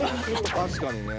確かにね。